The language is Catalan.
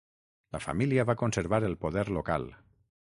La família va conservar el poder local.